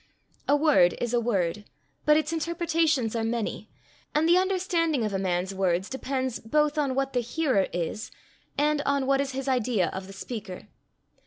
A word is a word, but its interpretations are many, and the understanding of a man's words depends both on what the hearer is, and on what is his idea of the speaker.